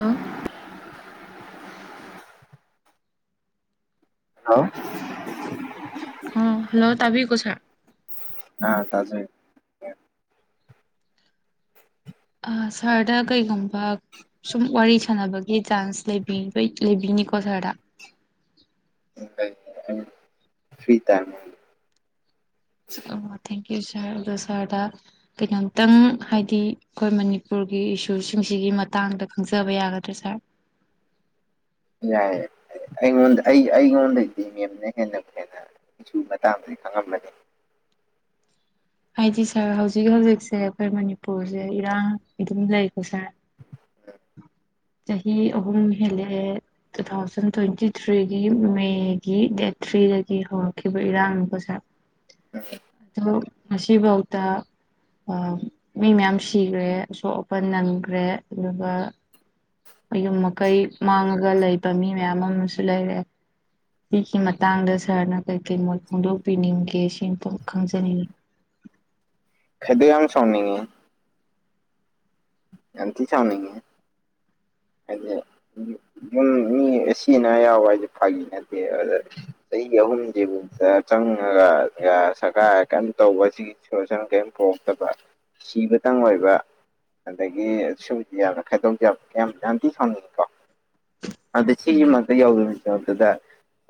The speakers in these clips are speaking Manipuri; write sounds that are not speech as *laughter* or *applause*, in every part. ꯑ ꯍꯜꯂꯣ ꯑꯣ ꯍꯜꯂꯣ ꯇꯥꯕꯤꯀꯣ ꯁꯥꯔ ꯑꯥ ꯇꯥꯖꯩ ꯑꯥ ꯁꯥꯔꯗ ꯀꯩꯒꯨꯝꯕ ꯁꯨꯝ ꯋꯥꯔꯤ ꯁꯥꯟꯅꯕꯒꯤ ꯆꯥꯟꯁ ꯂꯩꯕꯤꯕꯩ ꯂꯩꯕꯤꯅꯤꯀꯣ ꯁꯥꯔꯗ ꯐ꯭ꯔꯤ ꯇꯥꯏꯝꯃꯔ ꯑꯣ ꯊꯦꯡꯀ꯭ꯌꯨ ꯁꯥꯔ ꯑꯗꯣ ꯁꯥꯔꯗ ꯀꯩꯅꯣꯝꯇꯪ ꯍꯥꯏꯗꯤ ꯑꯩꯈꯣꯏ ꯃꯅꯤꯄꯨꯔꯒꯤ ꯏꯁꯨꯁꯤꯡꯁꯤꯒꯤ ꯃꯇꯥꯡꯗ ꯈꯪꯖꯕ ꯌꯥꯒꯗ꯭ꯔꯥ ꯁꯥꯔ ꯌꯥꯏ ꯑꯩ ꯑꯩꯉꯣꯟꯗ ꯑꯩ ꯑꯩꯉꯣꯟꯗꯩꯗꯤ ꯃꯦꯝꯅ ꯍꯦꯟꯅꯕꯨ ꯍꯦꯟꯅ ꯏꯁꯨ ꯃꯇꯥꯡꯗꯗꯤ ꯈꯪꯉꯝꯃꯅꯤ ꯍꯥꯏꯗꯤ ꯁꯥꯔ ꯍꯧꯖꯤꯛ ꯍꯧꯖꯤꯛꯁꯦ ꯑꯩꯈꯣꯏ ꯃꯅꯤꯄꯨꯔꯖꯦ ꯏꯔꯥꯡ ꯑꯗꯨꯝ ꯂꯩꯀꯣ ꯁꯥꯔ ꯆꯍꯤ ꯑꯍꯨꯝ ꯍꯦꯜꯂꯦꯛꯑꯦ ꯇꯨ ꯊꯥꯎꯖꯟ ꯇ꯭ꯋꯦꯟꯇꯤ ꯊ꯭ꯔꯤꯒꯤ ꯃꯦꯒꯤ ꯗꯦꯠ ꯊ꯭ꯔꯤꯗꯒꯤ ꯍꯧꯔꯛꯈꯤꯕ ꯏꯔꯥꯡꯅꯤꯀꯣ ꯁꯥꯔ ꯎꯝ ꯑꯗꯨ ꯉꯁꯤꯕꯥꯎꯇ ꯑꯥ ꯃꯤ ꯃꯌꯥꯝ ꯁꯤꯒ꯭ꯔꯦ ꯑꯁꯣꯛ ꯑꯄꯟ ꯅꯪꯒ꯭ꯔꯦ ꯑꯗꯨꯒ ꯃꯌꯨꯝ ꯃꯀꯩ ꯃꯥꯡꯉꯒ ꯂꯩꯕ ꯃꯤ ꯃꯌꯥꯝ ꯑꯃꯁꯨ ꯂꯩꯔꯦ ꯁꯤꯒꯤ ꯃꯇꯥꯡꯗ ꯁꯥꯔꯅ ꯀꯩꯀꯩ ꯃꯣꯠ ꯐꯣꯡꯗꯣꯛꯄꯤꯅꯤꯡꯒꯦ ꯁꯤꯃꯇꯪ ꯈꯪꯖꯅꯤꯡꯉꯤ ꯈꯣꯏꯗꯧ ꯌꯥꯝ ꯁꯥꯎꯅꯤꯡꯉꯤ ꯌꯥꯝꯊꯤ ꯁꯥꯎꯅꯤꯡꯉꯤꯍꯦ ꯍꯥꯏꯗꯤ ꯌꯨꯝ ꯃꯤ ꯑꯁꯤ ꯑꯅꯥ ꯌꯥꯎꯕ ꯍꯥꯏꯁꯦ ꯐꯥꯒꯤ ꯅꯠꯇꯦ ꯑꯗ ꯆꯍꯤ ꯑꯍꯨꯝꯁꯤꯕꯨꯛꯇ ꯆꯪꯉꯒ ꯒꯥ ꯁꯔꯀꯥꯔ ꯀꯩꯝ ꯇꯧꯕꯁꯤꯒꯤ ꯁꯣꯂꯨꯁꯟ ꯀꯔꯤꯝ ꯄꯣꯔꯛꯇꯕ ꯁꯤꯕꯇꯪ ꯑꯣꯏꯕ ꯑꯗꯒꯤ ꯁꯨꯕꯨꯗꯤ ꯌꯥꯝꯅ ꯈꯥꯏꯗꯧꯁꯦ ꯌꯥꯝ ꯀꯌꯥꯝ ꯌꯥꯝꯊꯤ ꯁꯥꯎꯅꯤꯡꯉꯤꯀꯣ ꯑꯗ ꯁꯤꯒꯤ ꯃꯔꯛꯇ *unintelligible*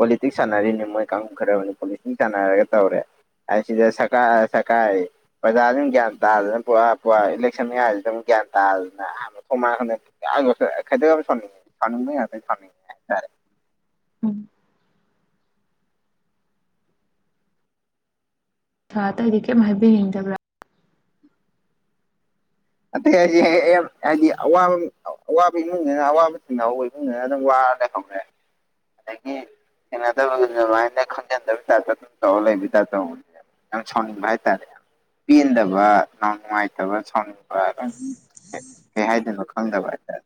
ꯄꯣꯂꯤꯇꯤꯛꯁ ꯁꯥꯟꯅꯔꯤꯅꯦ ꯃꯣꯏ ꯀꯥꯡꯒꯨ ꯈꯔ ꯑꯃꯗꯤ ꯄꯣꯂꯤꯇꯤꯛꯁ ꯁꯥꯟꯅꯔꯒ ꯇꯧꯔꯦ ꯑꯥꯏꯁꯤꯗ ꯁꯔꯀꯥ ꯑꯥ ꯁꯔꯀꯥꯔ ꯑꯥꯏꯌꯦ ꯄ꯭ꯔꯖꯥꯁꯤꯅ ꯒ꯭ꯌꯥꯟ ꯇꯥꯗꯅ ꯄꯨꯔꯥ ꯄꯨꯔꯥ ꯏꯂꯦꯛꯁꯟ ꯃꯌꯥꯁꯤꯗ ꯑꯃꯨꯛ ꯒ꯭ꯌꯥꯟ ꯇꯥꯗꯗꯅ ꯑꯥ ꯃꯊꯣꯡ ꯃꯔꯥꯡ ꯈꯪꯗ *unintelligible* ꯈꯩꯗꯧ ꯌꯥꯝ ꯁꯥꯎꯅꯤꯡꯉꯤ ꯁꯥꯎꯅꯤꯡꯕꯩ ꯉꯥꯛꯇ ꯁꯥꯎꯅꯤꯡ ꯎꯝ ꯁꯥꯔ ꯑꯇꯩꯗꯤ ꯀꯩꯝ ꯍꯥꯏꯕꯤ ꯅꯤꯡꯗꯕ꯭ꯔꯥ ꯑꯇꯩ ꯍꯥꯏꯁꯦ ꯍꯦꯛ ꯍꯥꯏꯗꯤ ꯑꯋꯥꯕ ꯑꯋꯥꯕ ꯏꯃꯨꯡꯅꯤꯅ ꯑꯋꯥꯕ ꯊꯦꯡꯅꯍꯧꯕꯩ ꯏꯃꯨꯡꯗꯅ ꯑꯗꯨꯝ ꯋꯥꯔ ꯂꯩꯍꯧꯔꯦ ꯑꯗꯒꯤ ꯊꯦꯡꯅꯗꯕ ꯑꯗꯨꯃꯥꯏꯅ ꯈꯪꯖꯟꯅꯗꯕꯩ ꯇꯥꯏꯞꯇ ꯑꯗꯨꯝ ꯇꯧꯔ ꯂꯩꯕꯩ ꯇꯥꯏꯞ ꯇꯧꯕꯁꯦ ꯌꯥꯝ ꯁꯥꯎꯅꯤꯡꯕ ꯍꯥꯏꯇꯥꯔꯦ ꯌꯥꯝ ꯄꯦꯟꯗꯕ ꯌꯥꯝ ꯅꯨꯡꯉꯥꯏꯇꯕ ꯁꯥꯎꯅꯤꯡ ꯍꯣꯏ *unintelligible* ꯀꯩ ꯍꯥꯏꯗꯣꯏꯅꯣ ꯈꯪꯗꯕ ꯍꯥꯏꯇꯥꯔꯦ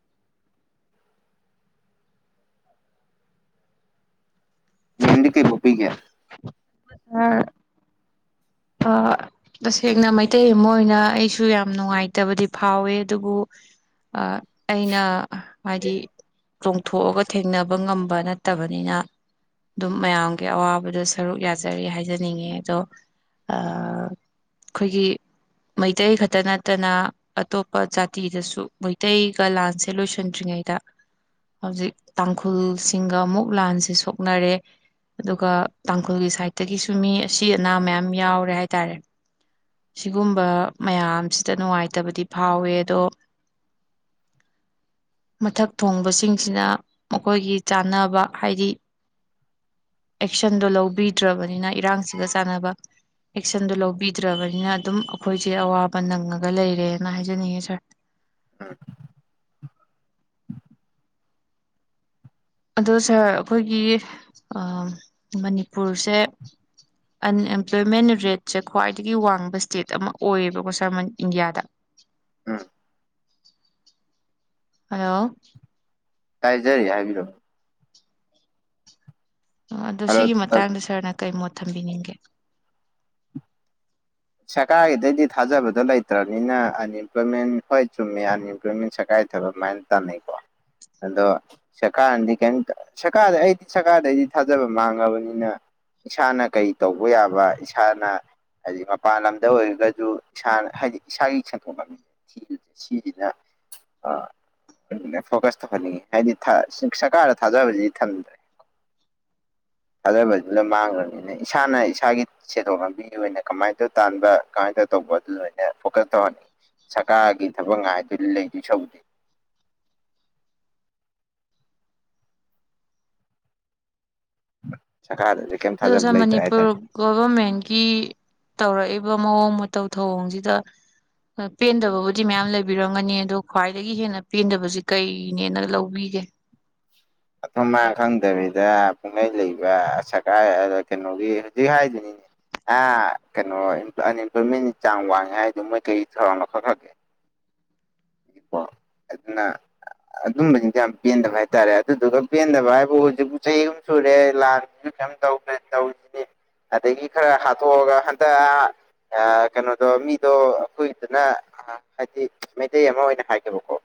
ꯃꯦꯝꯗꯤ ꯀꯩ ꯕꯣꯛꯄꯤꯒꯦ ꯁꯥꯔ ꯑꯥ ꯇꯁꯦꯡꯅ ꯃꯩꯇꯩ ꯑꯃ ꯑꯣꯏꯅ ꯑꯩꯁꯨ ꯌꯥꯝ ꯅꯨꯡꯉꯥꯏꯇꯕꯗꯤ ꯐꯥꯎꯋꯦ ꯑꯗꯨꯕꯨ ꯑ ꯑꯩꯅ ꯍꯥꯏꯗꯤ ꯆꯣꯡꯊꯣꯛꯑꯒ ꯊꯦꯡꯅꯕ ꯉꯝꯕ ꯅꯠꯇꯕꯅꯤꯅ ꯑꯗꯨꯝ ꯃꯌꯥꯝꯒꯤ ꯑꯋꯥꯕꯗ ꯁꯔꯨꯛ ꯌꯥꯖꯔꯤ ꯍꯥꯏꯖꯅꯤꯡꯉꯦ ꯑꯗꯣ ꯑꯥ ꯑꯩꯈꯣꯏꯒꯤ ꯃꯩꯇꯩ ꯈꯛꯇ ꯅꯠꯇꯅ ꯑꯇꯣꯞꯄ ꯖꯥꯇꯤꯗꯁꯨ ꯃꯩꯇꯩꯒ ꯂꯥꯟꯁꯦ ꯂꯣꯏꯁꯟꯗ꯭ꯔꯤꯉꯩꯗ ꯍꯧꯖꯤꯛ ꯇꯥꯡꯈꯨꯜꯁꯤꯡꯒ ꯑꯃꯨꯛ ꯂꯥꯟꯁꯦ ꯁꯣꯛꯅꯔꯦ ꯑꯗꯨꯒ ꯇꯥꯡꯈꯨꯜꯒꯤ ꯁꯥꯏꯠꯇꯒꯤꯁꯨ ꯃꯤ ꯑꯁꯤ ꯑꯅꯥ ꯃꯌꯥꯝ ꯌꯥꯎꯔꯦ ꯍꯥꯏꯇꯥꯔꯦ ꯁꯤꯒꯨꯝꯕ ꯃꯌꯥꯝꯁꯤꯗ ꯅꯨꯡꯉꯥꯏꯇꯕꯗꯤ ꯐꯥꯎꯋꯦ ꯑꯗꯣ ꯃꯊꯛ ꯊꯣꯡꯕꯁꯤꯡꯁꯤꯅ ꯃꯈꯣꯏꯒꯤ ꯆꯥꯟꯅꯕ ꯍꯥꯏꯗꯤ ꯑꯦꯛꯁꯟꯗꯣ ꯂꯧꯕꯤꯗ꯭ꯔꯕꯅꯤꯅ ꯏꯔꯥꯡꯁꯤꯒ ꯆꯥꯟꯅꯕ ꯑꯦꯛꯁꯟꯗꯣ ꯂꯧꯕꯤꯗ꯭ꯔꯕꯅꯤꯅ ꯑꯗꯨꯝ ꯑꯈꯣꯏꯁꯦ ꯑꯋꯥꯕ ꯅꯪꯉꯒ ꯂꯩꯔꯦꯅ ꯍꯥꯏꯖꯅꯤꯡꯉꯦ ꯁꯥꯔ ꯎꯝ ꯑꯗꯣ ꯁꯥꯔ ꯑꯈꯣꯏꯒꯤ ꯑꯥ ꯃꯅꯤꯄꯨꯔꯁꯦ ꯑꯟꯑꯦꯝꯄ꯭ꯂꯣꯏꯃꯦꯟ ꯔꯦꯠꯁꯦ ꯈ꯭ꯋꯥꯏꯗꯒꯤ ꯋꯥꯡꯕ ꯏꯁꯇꯦꯠ ꯑꯃ ꯑꯣꯏꯌꯦꯕꯀꯣ ꯁꯥꯔ ꯃꯟ ꯏꯟꯗꯤꯌꯥꯗ ꯎꯝ ꯍꯜꯂꯣ ꯇꯥꯏꯖꯔꯤ ꯍꯥꯏꯕꯤꯔꯛꯑꯣ ꯑꯣ ꯑꯗꯣ ꯍꯜꯂꯣ ꯁꯤꯒꯤ ꯇꯠ ꯃꯇꯥꯡꯗ ꯁꯥꯔꯅ ꯀꯩ ꯃꯣꯠ ꯊꯝꯕꯤꯅꯤꯡꯒꯦ ꯁꯔꯀꯥꯔꯒꯤꯗꯩꯗꯤ ꯊꯥꯖꯕꯗꯣ ꯂꯩꯇ꯭ꯔꯕꯅꯤꯅ ꯑꯟꯏꯝꯄ꯭ꯂꯣꯏꯃꯦꯟ ꯍꯣꯏ ꯆꯨꯝꯃꯦ ꯑꯟꯏꯝꯄ꯭ꯂꯣꯏꯃꯦꯟ ꯁꯔꯀꯥꯔ ꯊꯕꯛ ꯑꯗꯨꯃꯥꯏꯅ ꯇꯥꯟꯅꯩꯀꯣ ꯑꯗꯣ ꯁꯔꯀꯥꯔꯅꯗꯤ ꯀꯩꯝꯇ ꯁꯔꯀꯥꯔꯗ ꯑꯩꯗꯤ ꯁꯔꯀꯥꯔꯗꯩꯗꯤ ꯊꯥꯖꯕ ꯃꯥꯡꯉꯕꯅꯤꯅ ꯏꯁꯥꯅ ꯀꯩ ꯇꯧꯕ ꯌꯥꯕ ꯏꯁꯥꯅ ꯍꯥꯏꯗꯤ ꯃꯞ ꯄꯥꯟ ꯂꯝꯗ ꯑꯣꯏꯔꯒꯁꯨ ꯏꯁꯥꯅ ꯍꯥꯏꯗꯤ ꯏꯁꯥꯒꯤ ꯁꯦꯟꯊꯣꯛ ꯂꯝꯕꯤ ꯊꯤꯕꯁꯦ ꯁꯤꯁꯤꯅ ꯑꯥ ꯐꯣꯀꯁ ꯇꯧꯍꯟꯅꯤꯡꯉꯤ ꯍꯥꯏꯗꯤ ꯊꯥ ꯁꯔꯀꯥꯔꯗ ꯊꯥꯖꯕꯁꯤꯗꯤ ꯊꯝꯗ꯭ꯔꯦ ꯊꯥꯖꯕꯗꯨꯅ ꯃꯥꯡꯈ꯭ꯔꯕꯅꯤꯅ ꯏꯁꯥꯅ ꯏꯁꯥꯒꯤ ꯁꯦꯟꯊꯣꯛ ꯂꯝꯕꯤꯒꯤ ꯑꯣꯏꯅ ꯀꯃꯥꯏꯅ ꯑꯗꯨ ꯇꯥꯟꯕ ꯀꯃꯥꯏ ꯇꯧ ꯇꯧꯕ ꯑꯗꯨ ꯂꯣꯏꯅ ꯐꯣꯀꯁ ꯇꯧꯍꯟꯅꯤꯡꯉꯤ ꯁꯔꯀꯥꯔꯒꯤ ꯊꯕꯛ ꯉꯥꯏꯗꯣꯏ ꯂꯩꯗꯣꯏ ꯁꯧꯕꯨꯗꯤ ꯁꯔꯀꯥꯔꯗꯗꯤ ꯀꯩꯝ ꯑꯗꯣ ꯁꯥꯔ ꯊꯥꯖꯕ ꯂꯩꯇ꯭ꯔꯦ ꯃꯅꯤꯄꯨꯔ ꯍꯥꯏꯇꯥꯔꯦ ꯒꯣꯚꯔꯃꯦꯟꯒꯤ ꯇꯧꯔꯛꯏꯕ ꯃꯑꯣꯡ ꯃꯇꯧ ꯊꯧꯑꯣꯡꯁꯤꯗ ꯍꯣꯏ ꯄꯦꯟꯗꯕꯕꯨꯗꯤ ꯃꯌꯥꯝ ꯂꯩꯕꯤꯔꯝꯒꯅꯤ ꯑꯗꯣ ꯈ꯭ꯋꯥꯏꯗꯒꯤ ꯍꯦꯟꯅ ꯄꯦꯟꯗꯕꯁꯤ ꯀꯩꯅꯦꯅ ꯂꯧꯕꯤꯒꯦ ꯃꯊꯣꯡ ꯃꯥꯔꯥꯡ ꯈꯪꯗꯕꯤꯗ ꯄꯨꯡꯂꯩ ꯂꯩꯕ ꯁꯔꯀꯥꯔꯒ ꯑꯗꯣ ꯀꯩꯅꯣꯒꯤ ꯍꯧꯖꯤꯛ ꯍꯥꯏꯗꯨꯅꯤꯅꯦ ꯑ ꯀꯩꯅꯣ ꯑꯟꯏꯦꯝꯄ꯭ꯂꯣꯏꯃꯦꯟꯗꯤ ꯆꯥꯡ ꯋꯥꯡꯉꯦ ꯍꯥꯏꯗꯣ ꯃꯣꯏ ꯀꯔꯤ ꯊꯧꯔꯥꯡ ꯂꯧꯈꯠꯈ꯭ꯔꯒꯦ꯫ *unintelligible* ꯑꯗꯨꯅ ꯑꯗꯨꯝꯕꯁꯤꯡꯁꯦ ꯌꯥꯝ ꯄꯦꯟꯗꯕ ꯍꯥꯏꯇꯥꯔꯦ ꯑꯗꯨꯗꯨꯒ ꯄꯦꯟꯗꯕ ꯍꯥꯏꯕꯨ ꯍꯧꯖꯤꯛꯄ ꯆꯍꯤꯒꯨꯝ ꯁꯨꯔꯦ ꯂꯥꯟꯁꯨ *unintelligible* ꯇꯧꯔꯤꯁꯤꯅꯦ ꯑꯗꯒꯤ ꯈꯔ ꯍꯥꯠꯇꯣꯛꯑꯒ ꯍꯟꯗꯛ ꯑ ꯀꯩꯅꯣꯗꯣ ꯃꯤꯗꯣ ꯑꯩꯈꯣꯏꯒꯤꯗꯅ ꯍꯥꯏꯗꯤ ꯃꯩꯇꯩ ꯑꯃ ꯑꯣꯏꯅ ꯍꯥꯏꯒꯦꯕꯀꯣ꯫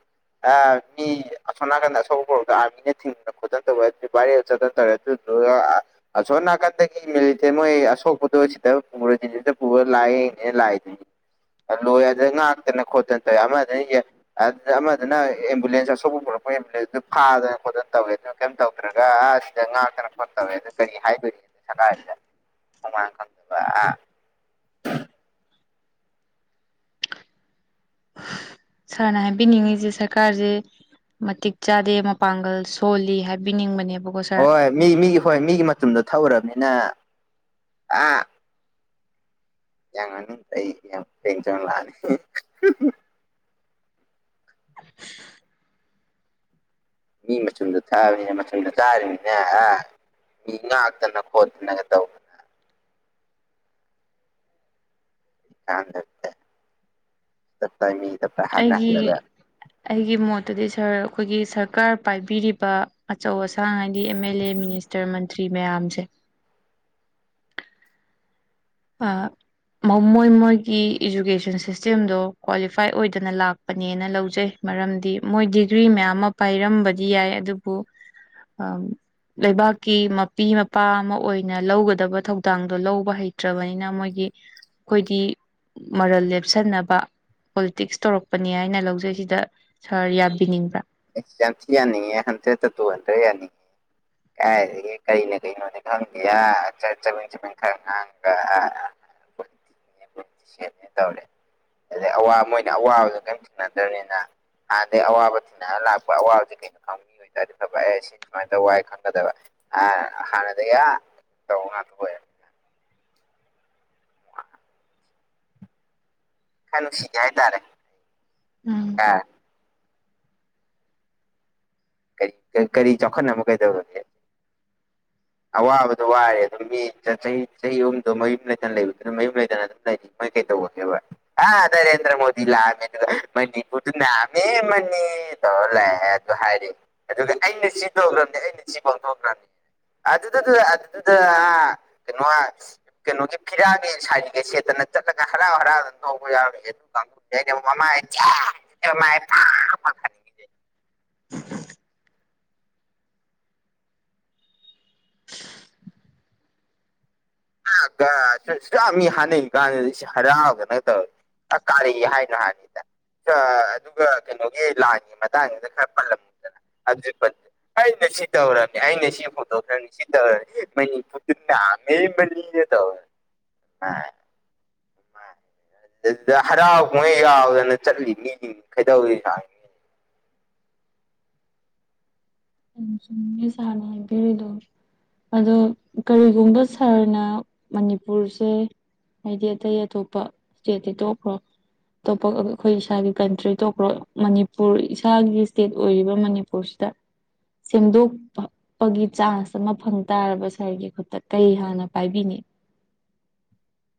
ꯃꯤ ꯑꯁꯣꯝ ꯅꯥꯀꯟꯗ ꯑꯁꯧꯕ ꯄꯣꯔꯗ ꯑꯥꯔꯃꯤꯅ ꯊꯤꯡꯗꯅ ꯈꯣꯠꯇꯅ ꯇꯧꯋꯦ ꯑꯗꯨꯗꯤ ꯚꯥꯏꯔꯦꯜ ꯆꯠꯇꯅ ꯇꯧꯔꯦ ꯑꯗꯨ *unintelligible* ꯑꯁꯣꯝ ꯅꯥꯀꯟꯗꯒꯤ ꯃꯤꯂꯤꯇꯦ ꯃꯣꯏ ꯑꯁꯣꯛꯄꯗꯣ ꯁꯤꯗ ꯄꯨꯔꯁꯤꯁꯤꯗ ꯄꯨꯔ ꯂꯥꯛꯑꯦꯅꯦ ꯂꯥꯛꯏꯗꯨꯅꯤ꯫ ꯂꯣꯏ ꯑꯗ ꯉꯥꯛꯇꯅ ꯈꯣꯠꯇꯅ ꯇꯧ ꯑꯃꯗꯅ ꯑꯗꯨꯅ ꯑꯃꯗꯨꯅ ꯑꯦꯝꯕꯨꯂꯦꯟꯁ ꯑꯁꯧꯕ ꯄꯨꯔꯛꯄꯦꯝꯕꯨꯂꯦꯟꯁꯗꯨꯨ ꯐꯥꯗꯅ ꯈꯣꯠꯇꯅ ꯇꯧꯋꯦ ꯑꯗꯨ ꯀꯩꯝ ꯇꯧꯗ꯭ꯔꯒ ꯑꯁꯤꯗ ꯉꯥꯛꯇꯅ ꯈꯣꯠꯇꯧꯋꯦ ꯑꯗꯨ ꯀꯔꯤ ꯍꯥꯏꯕꯅꯤꯅꯣ ꯁꯒꯥꯏꯁꯤꯗ꯫ *unintelligible* ꯑꯥ꯫ ꯁꯥꯔꯅ ꯍꯥꯏꯕꯤꯅꯤꯡꯉꯁꯦ ꯁꯔꯀꯥꯔꯁꯦ꯫ ꯃꯇꯤꯛ ꯆꯥꯗꯦ ꯃꯄꯥꯡꯒꯜ ꯁꯣꯜꯂꯤ ꯍꯥꯏꯕꯤꯅꯤꯡꯕꯅꯦꯕ꫰꫰ ꯍꯣꯏ ꯃꯤ ꯃꯤꯒꯤ ꯍꯣꯏ ꯃꯤꯒꯤ ꯃꯇꯗ ꯊꯧꯔꯕꯅꯤꯅ ꯑ ꯌꯥꯡ ꯉꯅ ꯐꯩ ꯌꯥꯝ ꯇꯦꯡ ꯆꯅ ꯂꯥꯛꯑꯅꯤ꯫ ꯃꯤ ꯃꯆꯨꯝꯗ ꯊꯥꯛꯕꯅꯤꯅ ꯃꯆꯨꯝꯗ ꯆꯥꯔꯤꯕꯅꯤꯅꯦ ꯑ꯫ ꯃꯤ ꯉꯥꯛꯇꯅ ꯈꯣꯠꯇꯅꯒ ꯇꯧ꯫ ꯀꯩꯀꯟꯗꯕꯗ ꯇꯥꯞꯇꯥꯏꯃꯤ ꯇꯥꯞꯇꯥꯏ ꯍꯥꯠꯅꯥ ꯑꯩꯒꯤ ꯍꯥꯜꯂꯒ꯫ ꯑꯩꯒꯤ ꯃꯣꯠꯇꯨꯗꯤꯔ ꯑꯩꯈꯣꯏꯒꯤ ꯁꯔꯀꯥꯔ ꯄꯥꯏꯕꯤꯔꯤꯕ ꯑꯆꯧ ꯑꯁꯥꯡ *unintelligible* ꯉꯥꯏꯗꯤ ꯑꯦꯝ ꯑꯦꯜ ꯑꯦ ꯃꯤꯅꯤꯁꯇꯔ ꯃꯟꯇ꯭ꯔꯤ ꯃꯌꯥꯝꯁꯦ꫰꫰ ꯑ ꯃꯣꯏ ꯃꯣꯏꯒꯤ ꯏꯖꯨꯀꯦꯁꯟ ꯁꯤꯁꯇꯦꯝꯗꯣ ꯀ꯭ꯋꯥꯂꯤꯐꯥꯏ ꯑꯣꯏꯗꯅ ꯂꯥꯛ ꯄꯅꯦꯅ ꯂꯧꯖꯩ ꯃꯔꯝꯗꯤ ꯃꯣꯏ ꯗꯤꯒ꯭ꯔꯤ ꯃꯌꯥꯝ ꯑꯃ ꯄꯥꯏꯔꯝꯕꯗꯤ ꯌꯥꯏ ꯑꯗꯨꯕꯨ ꯑꯝ ꯂꯩꯕꯥꯛꯀꯤ ꯃꯄꯤ ꯃꯄꯥ ꯑꯃ ꯑꯣꯏꯅ ꯂꯧꯒꯗꯕ ꯊꯧꯗꯥꯡꯗꯣ ꯂꯧꯕ ꯍꯩ ꯅꯠꯇ꯭ꯔꯕꯅꯤꯅ ꯃꯣꯏꯒꯤ ꯑꯩꯈꯣꯏꯗꯤ ꯃꯔꯜ ꯂꯦꯞꯁꯟꯅꯕ꫰꫰ ꯄꯣꯂꯤꯇꯤꯛꯁ ꯇꯧꯔꯛꯄꯅꯦ ꯍꯥꯏꯅ ꯂꯧꯖꯩ ꯁꯤꯗ ꯁꯥꯔ ꯌꯥꯕꯤꯅꯤꯡꯕ꯭ꯔꯥ꯫ ꯑꯦ ꯌꯥꯝꯁꯤ ꯌꯥꯅꯤꯡꯉꯦ ꯍꯟꯗ꯭ꯔꯦꯗꯠꯇ ꯇꯨ ꯍꯟꯗ꯭ꯔꯦꯠ ꯌꯥꯅꯤꯉꯦ *unintelligible* ꯀꯥꯏꯗꯒꯤ ꯀꯩꯅ ꯀꯩꯅꯣꯅꯦ ꯈꯪꯗꯦꯌꯥ ꯑ ꯆꯥꯕꯦꯡ ꯆꯥꯖꯦꯡ ꯈꯔ ꯉꯥꯡꯑꯒ *unintelligible* ꯇꯧꯔꯦ ꯑꯗꯩ ꯃꯣꯏꯅ ꯑꯋꯥꯕꯗꯣ ꯀꯔꯤꯝ ꯊꯦꯡꯅꯗ꯭ꯔꯕꯅꯤꯅ ꯍꯥꯟꯅꯗꯩ ꯑꯋꯥꯕ ꯊꯦꯡꯅꯔ ꯂꯥꯛꯄ ꯑꯋꯥꯕꯁꯦ ꯀꯩ ꯑ ꯈꯪꯇꯥꯔꯗꯤ ꯐꯕ ꯑꯦ ꯁꯤꯅꯤ ꯁꯨꯃꯥꯏꯅ ꯇꯧꯕ ꯍꯥꯏ ꯈꯪꯒꯗꯕ ꯍꯥꯟꯅꯗꯒꯤ ꯇꯧ ꯉꯥꯡꯇ ꯑꯣꯏ ꯈ ꯅꯨꯡꯁꯤꯗꯤꯦ ꯍꯥꯏ ꯇꯔꯥ ꯎꯝ ꯁꯀꯔ ꯀꯔꯤ ꯀꯔꯤ ꯆꯥꯎꯈꯠꯅꯕ ꯀꯩꯗꯧꯒꯦ ꯑꯋꯥꯕꯗꯣ ꯋꯥꯔꯦ ꯑꯗꯨꯝ ꯃꯤ ꯆꯍꯤ ꯆꯍꯤ ꯑꯍꯨꯝꯗꯣ ꯃꯌꯨꯝ ꯂꯩꯇꯅ ꯂꯩꯕꯗꯨꯅ ꯃꯌꯨꯝ ꯂꯩꯗꯅ ꯑꯗꯨꯝ ꯂꯩꯔꯤ ꯃꯣꯏ ꯀꯩ ꯇꯧꯒꯦꯕ ꯑ ꯅꯔꯦꯟꯗ꯭ꯔ ꯃꯣꯗꯤ ꯂꯥꯛꯃꯦꯗꯨ ꯃꯅꯤꯄꯨꯔꯗ ꯂꯥꯀꯃꯦ ꯃꯅꯤ ꯇꯧꯂ ꯑꯗꯨ ꯍꯥꯏꯔꯦ ꯑꯗꯨꯒ ꯑꯩꯅ ꯁꯤ ꯇꯧꯈ꯭ꯔꯕꯅꯤ ꯑꯩꯅ ꯁꯤ ꯄꯥꯡꯊꯣꯛꯈ꯭ꯔꯕꯅꯤ ꯑꯗꯨꯗꯨꯗ ꯑꯗꯨꯗꯨꯗ ꯑ ꯀꯩꯅꯣ ꯀꯩꯅꯣꯒꯤ ꯐꯤꯔꯥꯒꯤ ꯁꯥꯏꯠꯀ ꯁꯦꯠꯇꯅ ꯆꯠꯂꯒ ꯍꯔꯥꯎ ꯍꯔꯥꯎꯗꯅ ꯇꯧꯕ ꯌꯥꯔꯣꯏꯒꯦ ꯑꯗꯨ ꯑꯗꯩꯗꯤ ꯃꯃ ꯥꯥꯥꯥ ꯁꯦꯠ ꯃꯥꯃꯏ ꯄꯥꯛ ꯊꯥꯅꯤꯡꯉꯤꯁꯦ *unintelligible* ꯑꯁꯨꯛ ꯌꯝ ꯃꯤ ꯍꯥꯟꯅꯩ ꯀꯥꯟꯁꯤꯗ ꯍꯔꯥꯎꯗꯅ ꯇꯧꯌꯦ ꯑ ꯀꯥꯔꯤ ꯍꯥꯏꯅꯣ ꯍꯥꯏꯕꯅꯤꯗ ꯑꯥ ꯑꯗꯨꯒ ꯀꯩꯅꯣꯒꯤ ꯂꯥꯟꯒꯤ ꯃꯇꯥꯡꯁꯤꯗ ꯈꯔ ꯄꯜꯂꯝꯃꯨꯗꯅ ꯑꯗꯨꯖꯨ ꯄꯟꯗꯦ ꯑꯩꯅ ꯁꯤ ꯇꯧꯔꯝꯅꯤ ꯑꯩꯅ ꯁꯤ ꯍꯨꯟꯇꯣꯛꯈ꯭ꯔꯕꯅꯤ ꯁꯤ ꯇꯧꯔꯅꯤ *unintelligible* *unintelligible* ꯑꯗꯨꯗ ꯍꯔꯥꯎ ꯀꯨꯝꯍꯩ ꯌꯥꯎꯗꯅ ꯆꯠꯂꯤ ꯃꯤꯖꯤꯡ ꯀꯩꯗꯧꯔꯤꯅꯣ ꯍꯥꯏ ꯌꯥꯝ ꯆꯨꯝꯃꯦ ꯁꯥꯔꯅ ꯍꯥꯏꯕꯤꯔꯤꯗꯣ ꯑꯗꯣ ꯀꯔꯤꯒꯨꯝꯕ ꯁꯥꯔꯅ ꯃꯅꯤꯄꯨꯔꯁꯦ ꯍꯥꯏꯗꯤ ꯑꯇꯩ ꯑꯇꯣꯞꯄ ꯏꯁꯇꯦꯠꯇꯤ ꯇꯣꯛꯈ꯭ꯔꯣ ꯑꯇꯣꯞꯄ ꯑꯈꯣꯏ ꯑꯩꯈꯣꯏ ꯏꯁꯥꯒꯤ ꯀꯟꯇ꯭ꯔꯤ ꯇꯣꯛꯈ꯭ꯔꯣ ꯃꯅꯤꯄꯨꯔ ꯏꯁꯥꯒꯤ ꯏꯁꯇꯦꯠ ꯑꯣꯏꯔꯤꯕ ꯃꯅꯤꯄꯨꯔꯁꯤꯗ ꯁꯦꯝꯗꯣꯛꯄ ꯄꯒꯤ ꯆꯥꯟꯁ ꯑꯃ ꯐꯪ ꯇꯥꯔꯕ ꯁꯥꯔꯒꯤ ꯈꯨꯠꯇ ꯀꯩ ꯍꯥꯟꯅ ꯄꯥꯏꯕꯤꯅꯤ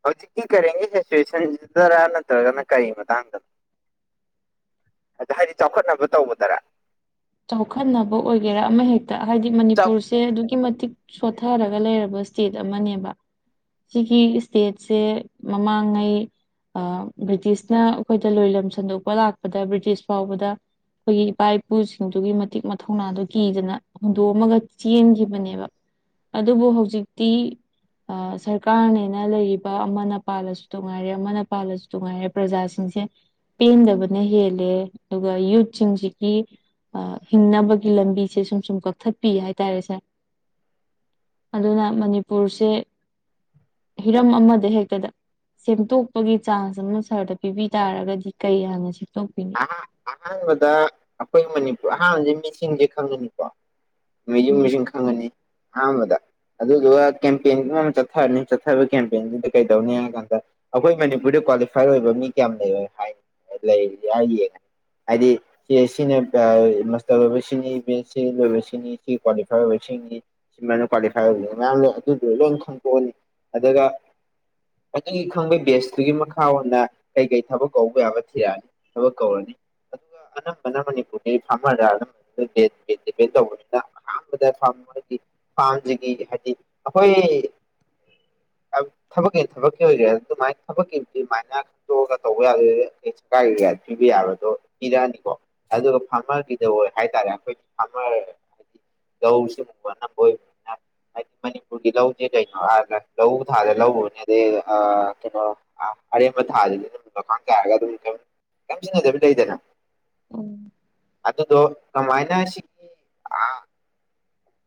ꯍꯧꯖꯤꯛꯀꯤ ꯀꯔꯦꯟꯒꯤ ꯁꯦꯆꯨꯋꯦꯁꯟꯁꯤꯗꯔꯥ ꯅꯠꯇ꯭ꯔꯒꯅ ꯀꯔꯤ ꯃꯇꯥꯡꯗꯅꯣ ꯑꯗ ꯍꯥꯏꯗꯤ ꯆꯥꯎꯈꯠꯅꯕ ꯇꯧꯕꯗꯔꯥ ꯆꯥꯎꯈꯠꯅꯕ ꯑꯣꯏꯒꯦꯔꯥ ꯑꯃ ꯍꯦꯛꯇ ꯍꯥꯏꯗꯤ ꯃꯅꯤꯄꯨꯔ ꯁꯦ ꯑꯗꯨꯛꯀꯤ ꯃꯇꯤꯛ ꯁꯣꯊꯔꯒ ꯂꯩꯔꯕ ꯏꯁ꯭ꯇꯦꯠ ꯑꯃꯅꯦꯕ ꯁꯤꯒꯤ ꯏꯁꯇꯦꯠꯁꯦ ꯃꯃꯥꯡꯉꯩ ꯑꯥ ꯕ꯭ꯔꯤꯇꯤꯁꯅ ꯑꯩꯈꯣꯏꯗ ꯂꯣꯏꯂꯝ ꯁꯟꯗꯣꯛꯄ ꯂꯥꯛꯄꯗ ꯕ꯭ꯔꯤꯇꯤꯁ ꯐꯥꯎꯕꯗ ꯑꯩꯈꯣꯏꯒꯤ ꯏꯄꯥ ꯏꯄꯨꯁꯤ ꯁꯤꯡꯗꯨꯒꯤ ꯃꯇꯤꯛ ꯃꯊꯧꯅꯥꯗꯨ ꯀꯤꯗꯅ ꯍꯨꯟꯗꯣꯛꯑꯝꯃꯒ ꯆꯦꯟꯈꯤꯕꯅꯦꯕ ꯑꯗꯨꯕꯨ ꯍꯧꯖꯤꯛꯇꯤ ꯑꯥ ꯁꯔꯀꯥꯔꯅꯦꯅ ꯂꯩꯔꯤꯕ ꯑꯃꯅ ꯄꯥꯜꯂꯁꯨ ꯇꯨꯉꯥꯏꯔꯦ ꯑꯃꯅ ꯄꯥꯜꯂꯁꯨ ꯇꯨꯉꯥꯏꯔꯦ ꯄ꯭ꯔꯖꯥꯁꯤꯡꯁꯦ ꯄꯦꯟꯗꯕꯅ ꯍꯦꯜꯂꯦ ꯑꯗꯨꯒ ꯌꯨꯠꯁꯤꯡꯁꯤꯒꯤ ꯑꯥ ꯍꯤꯡꯅꯕꯒꯤ ꯂꯝꯕꯤꯁꯦ ꯁꯨꯝ ꯁꯨꯝ ꯀꯛꯊꯠꯄꯤ ꯍꯥꯏꯇꯥꯔꯦ ꯁꯥꯔ ꯑꯗꯨꯅ ꯃꯅꯤꯄꯨꯔꯁꯦ ꯍꯤꯔꯝ ꯑꯃꯗ ꯍꯦꯛꯇꯗ ꯁꯦꯝꯇꯣꯛꯄꯒꯤ ꯆꯥꯟꯁ ꯑꯃ ꯁꯥꯔꯗ ꯄꯤꯕꯤ ꯇꯥꯔꯒꯗꯤ ꯀꯩ ꯍꯥꯟꯅ ꯁꯦꯝꯇꯣꯛꯄꯤꯅꯤ ꯑꯍꯥ ꯑꯍꯥꯟꯕꯗ ꯑꯈꯣꯏ ꯃꯅꯤꯄꯨꯔ ꯑꯍꯥꯟꯕꯁꯦ ꯃꯤꯁꯤꯡꯖꯦ ꯈꯪꯅꯤꯡꯉꯤꯀꯣ ꯌꯨꯝ ꯎꯝ ꯃꯁꯤꯡ ꯈꯪꯉꯅꯤ ꯑꯍꯥꯟꯕꯗ ꯑꯗꯨꯗꯨꯒ ꯀꯦꯝꯄꯦꯟꯒꯨꯝꯕꯃ ꯆꯠꯊꯔꯅꯤ ꯆꯠꯊꯕ ꯀꯦꯝꯄꯦꯟꯗꯨꯗ ꯀꯩꯗꯧꯅꯤ ꯍꯥꯏ ꯀꯥꯟꯗ ꯑꯈꯣꯏ ꯃꯅꯤꯄꯨꯔꯗ ꯀ꯭ꯋꯥꯂꯤꯐꯥꯏ ꯑꯣꯏꯕ ꯃꯤ ꯀꯌꯥꯝ ꯂꯩꯔꯣꯏ ꯍꯥꯏꯅꯤ ꯂꯩꯗꯤ ꯍꯥꯏ ꯌꯦꯡꯉꯅꯤ ꯍꯥꯏꯗꯤ ꯆꯦ ꯁꯤ ꯅ ꯑꯥ ꯃꯥꯇꯔ ꯂꯣꯏꯕ ꯁꯤꯅꯤ ꯕꯤ ꯑꯦꯁ ꯁꯤ ꯂꯣꯏꯕ ꯁꯤꯅꯤ ꯁꯤ ꯀ꯭ꯋꯥꯂꯤꯐꯥꯏ ꯑꯣꯏꯕ ꯁꯤꯅꯤ ꯁꯤꯃꯅ ꯀ꯭ꯋꯥꯂꯤꯐꯥꯏ ꯑꯣꯏꯕꯗꯣ ꯃꯌꯥꯝ ꯂꯩ ꯑꯗꯨꯗꯣ ꯂꯣꯏ ꯈꯪꯇꯣꯛꯑꯅꯤ ꯑꯗꯨꯒ ꯑꯗꯨꯒꯤ ꯈꯪꯕꯩ ꯕꯦꯁꯇꯨꯒꯤ ꯃꯈꯥ ꯑꯣꯏꯅ ꯀꯩꯀꯩ ꯊꯕꯛ ꯀꯧꯕ ꯌꯥꯕ ꯊꯤꯔꯛꯑꯅꯤ ꯊꯕꯛ ꯀꯧꯔꯅꯤ ꯑꯗꯨꯒ ꯑꯅꯝꯕꯅ ꯃꯅꯤꯄꯨꯔꯒꯤ ꯐꯥꯔꯃꯔꯗ ꯑꯅꯝꯕ *unintelligible* ꯗꯤꯄꯦꯟ ꯇꯧꯕꯅꯤꯅ ꯑꯍꯥꯟꯕꯗ ꯐꯥꯃꯔꯒꯤ ꯐꯥꯝꯖꯤꯒꯤ ꯍꯥꯏꯗꯤ ꯑꯈꯣꯏ ꯊꯕꯛꯀꯤꯅ ꯊꯕꯛꯀꯤ ꯑꯣꯏꯒ꯭ꯔꯦ ꯑꯗꯨꯃꯥꯏꯅ ꯊꯕꯛꯀꯤꯗꯤ ꯑꯗꯨꯃꯥꯏꯅ ꯈꯟꯇꯣꯛꯑꯒ ꯇꯧꯕ ꯌꯥꯗꯣꯏꯔꯦ ꯀꯥꯏ ꯑꯦꯔꯤꯌꯥꯗ ꯄꯤꯕ ꯌꯥꯕꯗꯣ ꯄꯤꯔꯛꯑꯅꯤꯀꯣ ꯑꯗꯨꯒ ꯐꯥꯔꯃꯔꯒꯤꯗ ꯑꯣꯏ ꯍꯥꯏꯇꯥꯔꯦ ꯑꯩꯈꯣꯏꯗꯤ ꯐꯥꯔꯃꯔ ꯂꯧ *unintelligible* ꯑꯅꯝꯕ ꯑꯣꯏꯕꯅꯤꯅ ꯍꯥꯏꯗꯤ ꯃꯅꯤꯄꯨꯔꯒꯤ ꯂꯧꯁꯦ ꯀꯩꯅꯣ ꯍꯥꯏꯕꯗ ꯂꯧ ꯊꯥꯗ ꯂꯧ ꯎꯔꯅꯤ ꯑꯗꯩ ꯑꯥ ꯀꯩꯅꯣ ꯑ ꯑꯔꯦꯝꯕ ꯊꯥꯖꯤꯗꯤ ꯑꯗꯨꯝ ꯅꯣꯡꯈꯥꯡ ꯆꯥꯏꯔꯒ ꯑꯗꯨꯝ ꯐꯤꯕꯝ ꯀꯦꯝ ꯁꯤꯖꯤꯟꯅꯗꯕꯤ ꯂꯩꯩꯗꯅ ꯎꯝ ꯑꯗꯨꯗꯣ ꯀꯃꯥꯏꯅ ꯁꯤ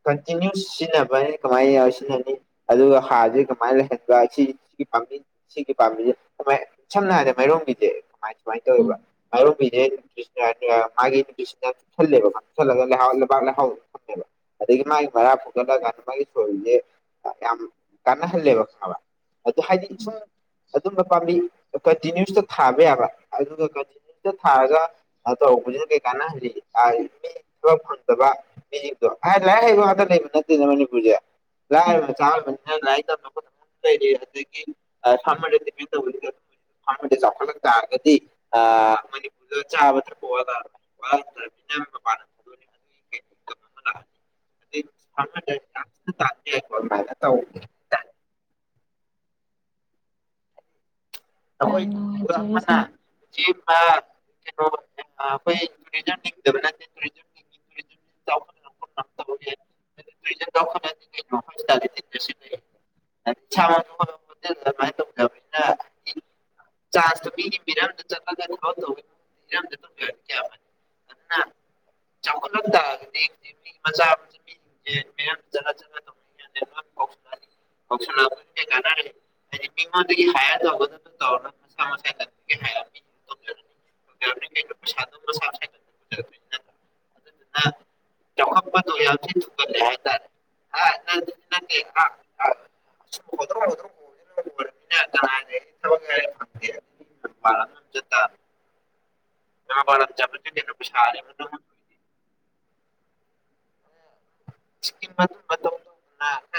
ꯀꯟꯇꯤꯅ꯭ꯌꯨꯁ ꯁꯤꯖꯤꯟꯅꯕꯅꯦ ꯀꯃꯥꯏ ꯌꯥꯎ ꯁꯤꯖꯤꯟꯅꯅꯤ ꯑꯗꯨꯒ ꯍꯥꯔꯖꯦ ꯀꯃꯥꯏꯅ ꯂꯩꯍꯟꯕ ꯁꯤ ꯁꯤꯒꯤ ꯄꯥꯝꯕꯤ ꯁꯤꯒꯤ ꯄꯥꯝꯕꯤꯁꯦ ꯚꯥꯢ ꯁꯝꯅ ꯍꯥꯏꯔꯕꯗ ꯃꯥꯏꯔꯣꯡꯕꯤꯁꯦ ꯁꯨꯃꯥꯢ ꯁꯨꯃꯥꯏꯅ ꯎꯝ ꯇꯧꯋꯦꯕ ꯃꯥꯢꯔꯣꯡꯕꯤꯁꯦ *unintelligible* ꯆꯜꯂꯦꯕ ꯆꯜꯂꯒ ꯂꯩꯍꯥꯎ ꯂꯩꯕꯥꯛ ꯂꯩꯍꯥꯎ ꯒꯜꯂꯦꯕ ꯑꯗꯒꯤ ꯃꯥꯒꯤ ꯃꯔꯥ ꯐꯨꯒꯠꯂꯀꯥꯟꯗ ꯃꯥꯒꯤ ꯁꯣꯢꯁꯦ ꯌꯥꯝ ꯀꯥꯟꯅꯍꯜꯂꯦꯕ ꯈꯪꯑꯕ ꯑꯗꯨ ꯍꯥꯏꯗꯤ ꯁꯨꯝ ꯑꯗꯨꯝꯕ ꯄꯥꯝꯕꯤ ꯀꯟꯇꯤꯅꯤ꯭ꯌꯨꯁꯇ ꯊꯥꯕ ꯌꯥꯕ ꯑꯗꯨꯒ ꯀꯟꯇꯤꯅꯤꯌꯨꯁꯇ ꯊꯥꯔꯒ ꯑ ꯇꯣ *unintelligible* ꯍꯧꯖꯤꯅ ꯀꯩ ꯀꯥꯟꯅꯍꯜꯂꯤ ꯊꯕꯛ ꯐꯪꯗꯕ ꯃꯤꯁꯤꯡꯗꯣ ꯍꯥꯏ ꯂꯥꯏꯔꯤꯛ ꯍꯩꯕ ꯉꯥꯛꯇ ꯂꯩꯕ ꯅꯠꯇꯦꯗꯅ ꯃꯅꯤꯄꯨꯔꯁꯦ ꯎꯝ ꯂꯥꯏꯔꯕ ꯃꯆꯥ ꯑꯣꯢꯕꯅꯤꯅ ꯁꯃ *unintelligible* *unintelligible* ꯆꯈꯠꯂ ꯇꯥꯔꯒꯗꯤ ꯑ ꯃꯅꯤꯄꯨꯔ ꯂ ꯆꯕꯠꯇꯣꯗꯔ ꯑꯗꯨ *unintelligible* *unintelligible* ꯊꯥꯟ ꯑꯗꯨꯃꯥꯢꯅ ꯇꯧꯋꯤ *unintelligible* ꯌꯥꯝ ꯅꯈꯣꯏ ꯅꯨꯡꯉꯥꯏꯖꯔꯦ ꯑꯃꯅ ꯁꯥꯔ *unintelligible* ꯑꯩꯈꯣꯢ ꯅ *unintelligible* ꯁꯤ *unintelligible* *unintelligible* ꯗꯤ ꯏꯁ ꯍꯣꯇꯦꯜꯗ ꯑꯗꯨꯃꯥꯏꯅ ꯇꯧꯗꯕꯅꯤꯅ ꯆꯥꯁꯇꯣ ꯃꯤꯒꯤ ꯄꯤꯔꯝꯗꯅ ꯆꯠꯂꯒ *unintelligible* ꯇꯝꯗ ꯑꯗꯨꯅ *unintelligible* ꯆꯒꯨ ꯂꯥꯛꯇꯥ ꯃ ꯆ *unintelligible* ꯃꯤꯉꯣꯡꯗꯒꯤ *unintelligible* ꯑꯗꯨꯗꯨꯅ ꯆꯥꯎꯈꯠꯄꯗꯣ ꯌꯥꯝ ꯊꯤ ꯊꯨꯒꯜꯂꯦ ꯍꯥꯏꯇꯥꯔꯦ *inaudible* *inaudible* ꯀꯦ *unintelligible* ꯔ ꯐ *inaudible* ꯃꯄꯥꯜ ꯂꯥꯝ ꯆꯠꯕꯗꯤ ꯀꯩꯅꯣ ꯄꯩꯁꯥ ꯀꯤ *inaudible*